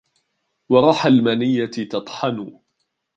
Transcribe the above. ورحى المنيّة تطحن